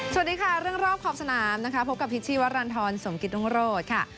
สวัสดีค่ะเรื่องรอบขอบสนามนะคะพบกับพิษชีวรรณฑรสมกิตรุงโรธค่ะ